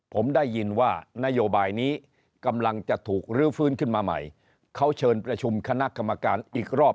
ผมได้ยินว่านโยบายนี้กำลังจะถูกลื้อฟื้นขึ้นมาใหม่เขาเชิญประชุมคณะกรรมการอีกรอบ